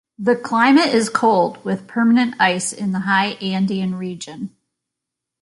The climate is cold, with permanent ice in the high Andean region.